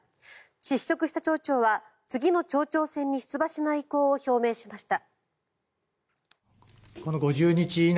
失職した町長は次の町長選に出馬しない意向を表明しました。